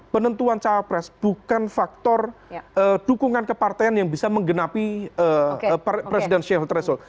penentuan cawapres bukan faktor dukungan kepartean yang bisa menggenapi presidensial threshold